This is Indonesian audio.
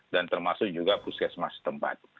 termasuk juga puskesmas tempat